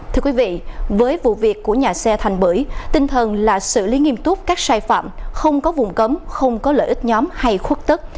thưa quý vị với vụ việc của nhà xe thành bưởi tinh thần là xử lý nghiêm túc các sai phạm không có vùng cấm không có lợi ích nhóm hay khuất tức